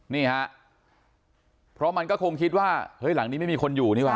นี่ฮะเพราะมันก็คงคิดว่าเฮ้ยหลังนี้ไม่มีคนอยู่นี่ว่